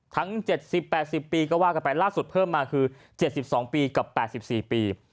ทั้ง๗๐๘๐ปีก็ว่ากันไปล่าสุดเพิ่มมาคือ๗๒ปีกับ๘๔ปี